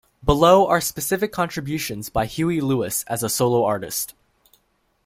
Below are specific contributions by Huey Lewis as a solo artist.